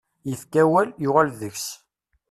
Yefka awal, yuɣal deg-s.